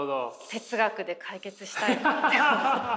哲学で解決したいって思った。